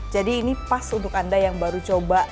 jadi ini pas untuk anda yang baru coba